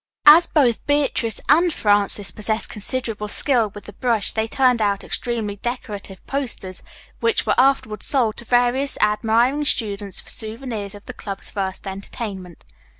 As both Beatrice and Frances possessed considerable skill with the brush they turned out extremely decorative posters, which were afterward sold to various admiring students for souvenirs of the club's first entertainment.